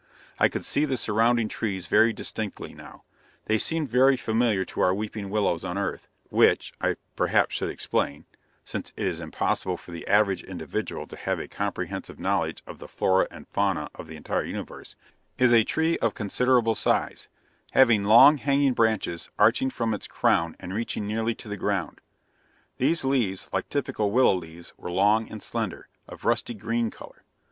I could see the surrounding trees very distinctly now: they seemed very similar to our weeping willows, on Earth, which, I perhaps should explain, since it is impossible for the average individual to have a comprehensive knowledge of the flora and fauna of the entire known Universe, is a tree of considerable size, having long, hanging branches arching from its crown and reaching nearly to the ground. These leaves, like typical willow leaves, were long and slender, of rusty green color.